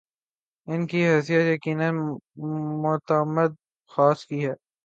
‘ ان کی حیثیت یقینا معتمد خاص کی ہے۔